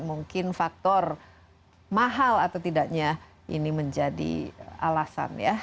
mungkin faktor mahal atau tidaknya ini menjadi alasan ya